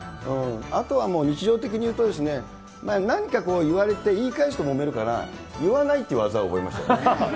あとはもう日常的にいうと、何か言われて言い返すともめるから、言わないっていう技を覚えましたよね。